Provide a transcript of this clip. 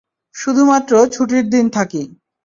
শুধুমাত্র ছুটির দিন থাকি।